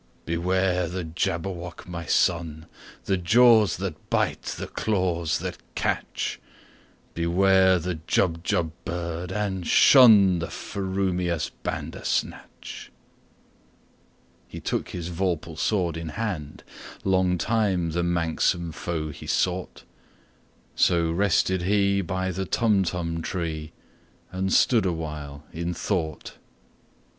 "Beware the Jabberwock, my son! The jaws that bite, the claws that catch! Beware the Jubjub bird, and shunThe frumious Bandersnatch!"He took his vorpal sword in hand:Long time the manxome foe he sought—So rested he by the Tumtum tree, And stood awhile in thought.